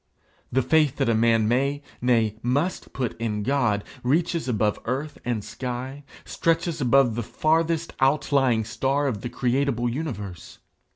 The faith that a man may, nay, must put in God, reaches above earth and sky, stretches beyond the farthest outlying star of the creatable universe.